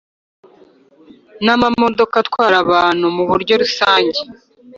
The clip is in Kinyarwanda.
Namamodoka atwara abantu muburyo rusange